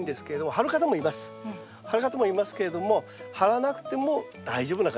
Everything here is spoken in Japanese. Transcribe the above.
張る方もいますけれども張らなくても大丈夫な感じですね。